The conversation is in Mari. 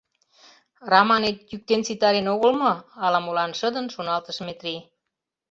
«Раманет йӱктен ситарен огыл мо?» — ала-молан шыдын шоналтыш Метрий.